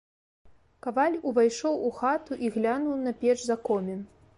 Каваль увайшоў у хату і глянуў на печ за комін.